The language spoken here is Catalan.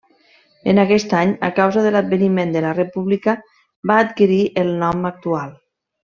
En aquest any, a causa de l'adveniment de la república, va adquirir el nom actual.